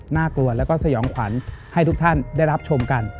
น่ากลัวแล้วก็สยองขวัญให้ทุกท่านได้รับชมกัน